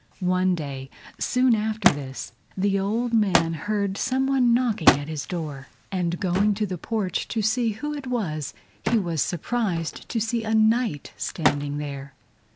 One day, soon after this, the old man heard some one knocking at his door, and going to the porch to see who it was he was surprised to see a Knight standing there.